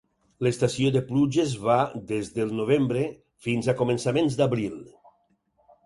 L'estació de pluges va des del Novembre fins a començaments d'Abril.